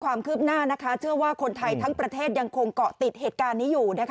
ความคืบหน้านะคะเชื่อว่าคนไทยทั้งประเทศยังคงเกาะติดเหตุการณ์นี้อยู่นะคะ